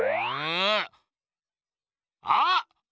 あっ！